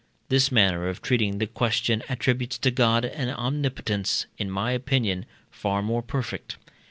This manner of treating the question attributes to God an omnipotence, in my opinion, far more perfect.